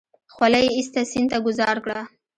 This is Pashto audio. خولۍ يې ايسته سيند ته گوزار کړه.